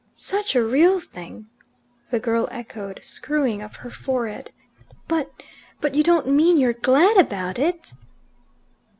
"Such a real thing?" the girl echoed, screwing up her forehead. "But but you don't mean you're glad about it?"